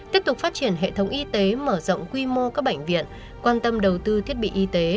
tiếp tục phát triển hệ thống y tế mở rộng quy mô các bệnh viện quan tâm đầu tư thiết bị y tế